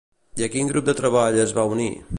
I a quin grup de treball es va unir?